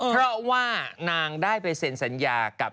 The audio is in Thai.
เพราะว่านางได้ไปเซ็นสัญญากับ